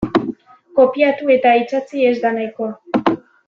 Kopiatu eta itsatsi ez da nahikoa.